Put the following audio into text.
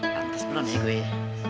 lantas belum sih gue